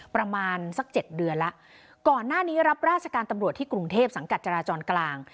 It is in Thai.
ประมาณสักเจ็ดเดือนแล้วก่อนหน้านี้รับราชการตำรวจที่กรุงเทพสังกัดจราจรกลาง